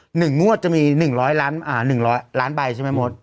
สมมุติว่า๑มวดจะมี๑๐๐ล้านใบใช่ไหมหมด